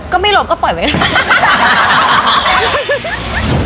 ก็ไม่หลบก็ปล่อยไว้